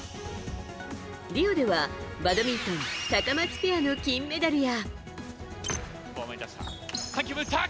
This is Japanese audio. リオではバドミントンタカマツペアの金メダルや。